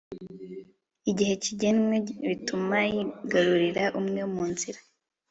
igihe kigenwe bituma yigarura ubwe mu nzira